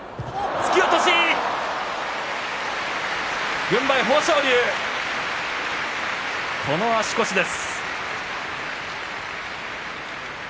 突き落とし、この足腰です。